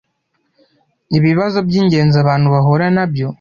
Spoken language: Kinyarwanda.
Ibibazo by'ingenzi abantu bahuranabyo